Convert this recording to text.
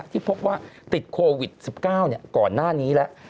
ที่พบว่าติดโควิด๑๙ก่อนหน้านี้แล้ว